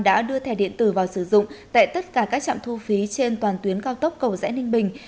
đã đưa thẻ điện tử vào sử dụng tại tất cả các trạm thu phí trên toàn tuyến cao tốc cầu rẽ ninh bình